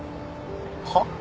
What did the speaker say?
はっ？